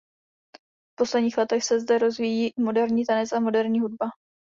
V posledních letech se zde rozvíjí i moderní tanec a moderní hudba.